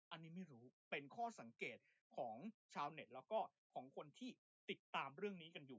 อันนี้ไม่รู้ก็เป็นข้อสังเกตของชาวเน็ตแล้วก็ของคนที่ติดตามเรื่องนี้กันอยู่